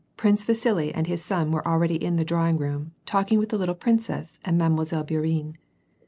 Prince Vasili and his son were already in the drawing room, talking with the little princess and Mile. Bourienne.